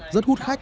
rất hút hách